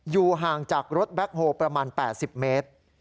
อยู่ห่างจากรถแบ็คโฮลประมาณ๘๐เมตร